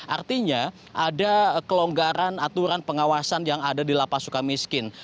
artinya ada kelonggaran aturan pengawasan yang ada di lapas suka miskin